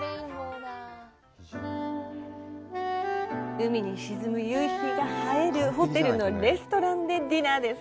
海に沈む夕日が映えるホテルのレストランでディナーです。